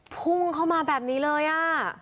พุ่งเข้ามาแบบนี้เลยอ่ะ